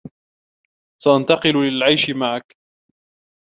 سأنتقل للعيش معك.